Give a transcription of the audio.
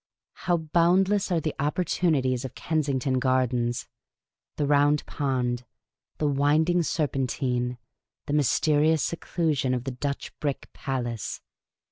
How boundless are the opportunities of Kensington Gar dens — the Round Pond, the winding Serpentine, the mys terious seclusion of the Dutch brick Palace